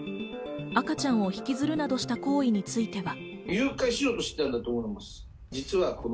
赤ちゃんを引きずるなどした行為については。